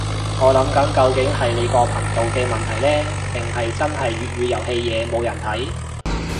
我諗緊究竟係你個頻道嘅問題呢，定係真係粵語遊戲嘢冇人睇